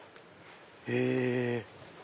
へぇ。